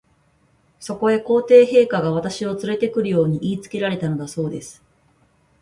そこへ、皇帝陛下が、私をつれて来るよう言いつけられたのだそうです。